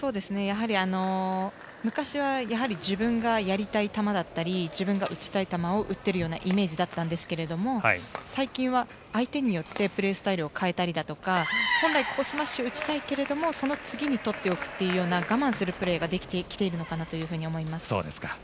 昔は自分がやりたい球だったり自分が打ちたい球を打っているイメージだったんですが最近は、相手によってプレースタイルを変えたりとか本来、ここスマッシュ打ちたいけれどもその次にとっておくといった我慢するプレーができてきているのかなと思います。